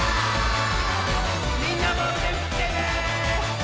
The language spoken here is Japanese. みんなもうでふってね！